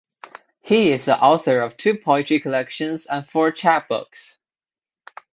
He is the author of two poetry collections and four chapbooks.